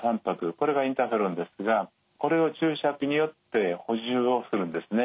これがインターフェロンですがこれを注射器によって補充をするんですね。